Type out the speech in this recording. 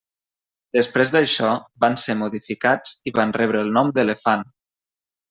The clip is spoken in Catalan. Després d'això van ser modificats i van rebre el nom d'Elefant.